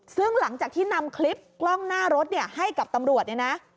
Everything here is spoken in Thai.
ซึ่งหลังจากที่นำคลิปกล้องหน้ารถเนี่ยให้กับตำรวจเนี่ยนะ